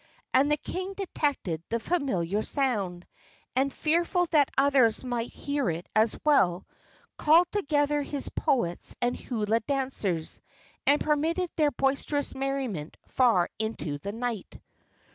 And the king detected the familiar sound, and, fearful that others might hear it as well, called together his poets and hula dancers, and permitted their boisterous merriment far into the night.